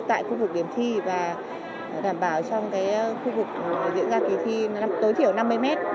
tại khu vực điểm thi và đảm bảo trong khu vực diễn ra kỳ thi tối thiểu năm mươi mét